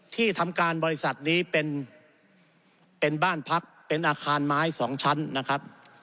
ที่ทำการบริษัทนี้เป็นบ้านพักเป็นอาคารไม้๒ชั้นนะครับ